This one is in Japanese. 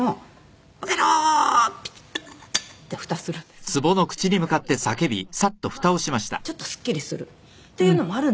そうするとまあちょっとすっきりするっていうのもあるんですけど。